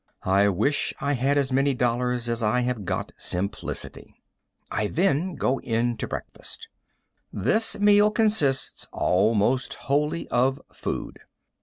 I wish I had as many dollars as I have got simplicity. I then go in to breakfast. This meal consists almost wholly of food.